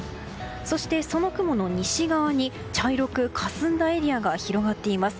そして、その雲の西側に茶色くかすんだエリアが広がっています。